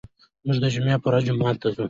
موږ د جمعې په ورځ جومات ته ځو.